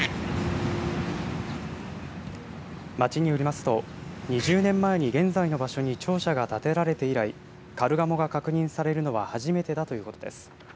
町によりますと２０年前に現在の場所に庁舎が建てられて以来カルガモが確認されるのは初めてだということです。